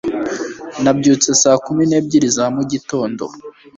Nabyutse saa kumi nebyiri za mugitondo